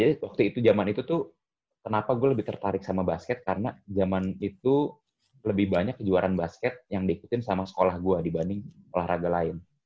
jadi waktu itu jaman itu tuh kenapa gue lebih tertarik sama basket karena jaman itu lebih banyak kejuaraan basket yang diikutin sama sekolah gue dibanding olahraga lain